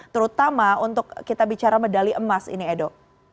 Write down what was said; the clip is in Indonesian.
terutama untuk kita bicara medali emas ini edo